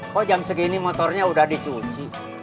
kok jam segini motornya udah dicuci